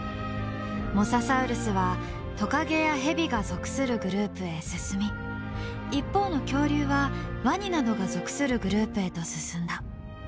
モササウルスはトカゲやヘビが属するグループへ進み一方の恐竜はワニなどが属するグループへと進んだ。